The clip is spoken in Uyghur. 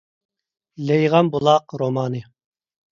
«لېيىغان بۇلاق» رومانى.